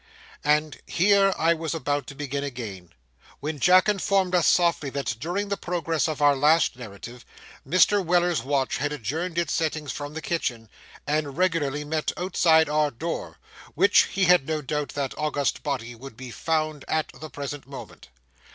And here I was about to begin again, when Jack informed us softly, that during the progress of our last narrative, Mr. Weller's Watch had adjourned its sittings from the kitchen, and regularly met outside our door, where he had no doubt that august body would be found at the present moment.